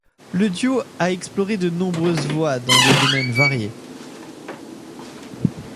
Le duo a exploré de nombreuses voies, dans des domaines variés.